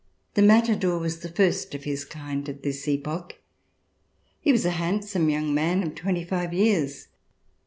The matador was the first of his kind at this epoch. He was a handsome young man of twenty five years.